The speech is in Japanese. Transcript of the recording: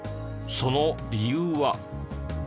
その理由は？